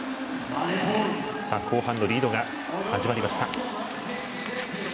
後半のリードが始まりました。